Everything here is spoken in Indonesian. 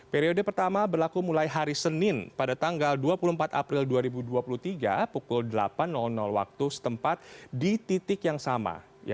periode pertama berlaku mulai hari senin pada tanggal dua puluh empat april dua ribu dua puluh tiga pukul delapan waktu setempat di titik yang sama